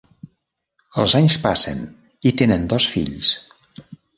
Els anys passen, i tenen dos fills.